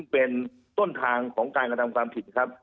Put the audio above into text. เป็นต้นทางของการกระทำความผิดครับ